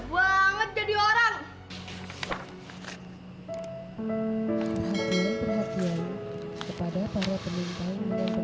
om om om jangan